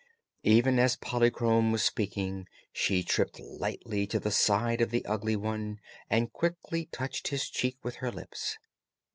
Even as Polychrome was speaking she tripped lightly to the side of the Ugly One and quickly touched his cheek with her lips.